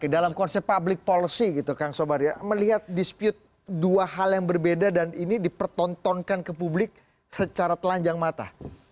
dalam konsep public policy gitu kang sobari melihat dispute dua hal yang berbeda dan ini dipertontonkan ke publik secara telanjang mata